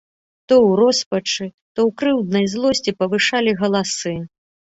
То ў роспачы, то ў крыўднай злосці павышалі галасы.